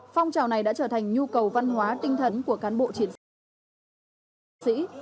phong trào này đã trở thành nhu cầu văn hóa tinh thần của cán bộ chiến sĩ